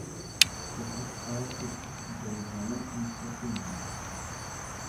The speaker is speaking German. Der Hauptort ist Dolbeau-Mistassini.